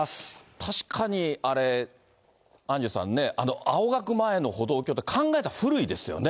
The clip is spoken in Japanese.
確かにあれ、アンジュさんね、青学前の歩道橋って、考えたら古いですよね。